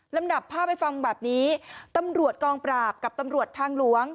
ลำดับภาพให้ฟังแบบนี้ตำรวจกองปราบกับตำรวจทางหลวง